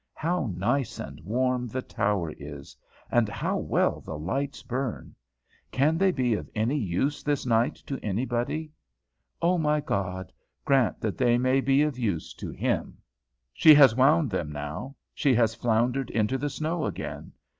How nice and warm the tower is! and how well the lights burn! Can they be of any use this night to anybody? O my God, grant that they be of use to him! She has wound them now. She has floundered into the snow again.